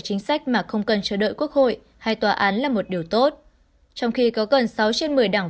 chính sách mà không cần chờ đợi quốc hội hay tòa án là một điều tốt trong khi có gần sáu trên một mươi đảng